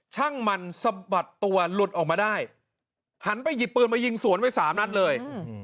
ช่างมันสะบัดตัวหลุดออกมาได้หันไปหยิบปืนมายิงสวนไปสามนัดเลย